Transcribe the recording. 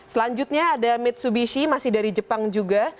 selanjutnya ada mitsubishi masih dari jepang juga